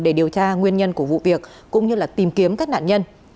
để điều tra nguyên nhân của vụ việc cũng như tìm kiếm các nạn nhân